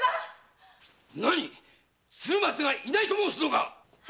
鶴松がいないと申すのか